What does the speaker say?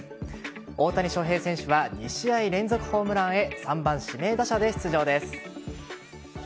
大谷翔平選手は２試合連続ホームランへ３番・指名打者で出場です。